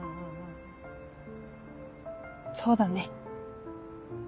そうだね。